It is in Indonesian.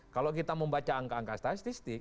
kalau kita membaca angka angka statistik